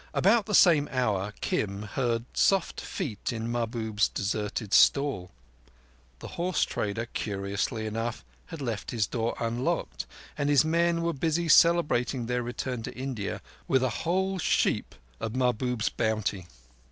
About the same hour Kim heard soft feet in Mahbub's deserted stall. The horse trader, curiously enough, had left his door unlocked, and his men were busy celebrating their return to India with a whole sheep of Mahbub's bounty.